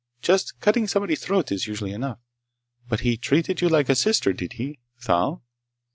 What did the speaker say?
Just cutting somebody's throat is usually enough. But he treated you like a sister, did he? Thal?"